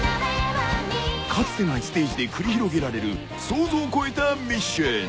［かつてないステージで繰り広げられる想像を超えたミッション］